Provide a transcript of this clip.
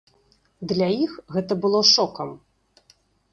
Для іх гэта было шокам.